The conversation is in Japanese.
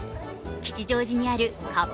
吉祥寺にあるカピ